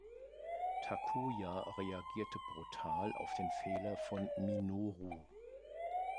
Takuya reagierte brutal auf den Fehler von Minoru.